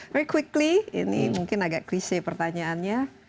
very quickly ini mungkin agak klise pertanyaannya